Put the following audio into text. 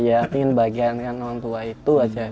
iya ingin bagiankan orang tua itu aja